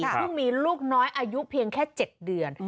ซึ่งมีลูกน้อยอายุเพียงแค่๗เดือน